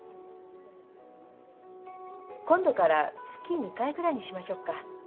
今度から月２回ぐらいにしましょうか。